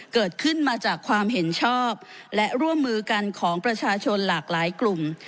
เกิดขึ้นมาจากความเห็นชอบและร่วมมือกันของประชาชนหลากหลายกลุ่ม